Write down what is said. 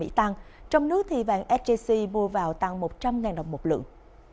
giá bàn mỹ tăng trong nước thì bàn sgc mua vào tăng một trăm linh đồng một lượng